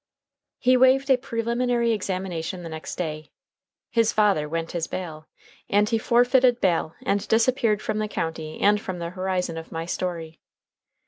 He waived a preliminary examination the next day; his father went his bail, and he forfeited bail and disappeared from the county and from the horizon of my story.